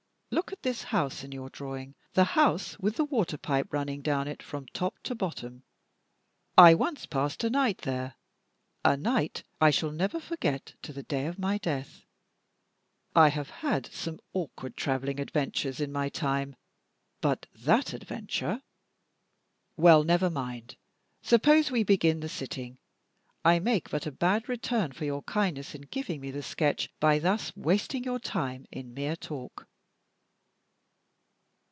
Look at this house in your drawing the house with the water pipe running down it from top to bottom. I once passed a night there a night I shall never forget to the day of my death. I have had some awkward traveling adventures in my time; but that adventure ! Well, never mind, suppose we begin the sitting. I make but a bad return for your kindness in giving me the sketch by thus wasting your time in mere talk."